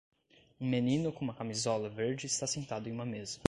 Um menino com uma camisola verde está sentado em uma mesa.